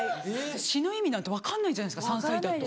詞の意味なんて分かんないじゃない３歳だと。